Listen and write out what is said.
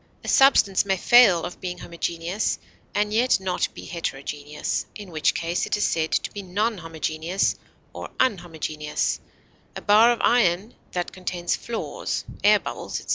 A substance may fail of being homogeneous and yet not be heterogeneous, in which case it is said to be non homogeneous or unhomogeneous; a bar of iron that contains flaws, air bubbles, etc.